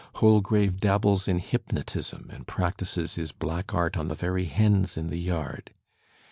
Holgrave dabbles in hypnotism and practises his black art on the very hens in the yard.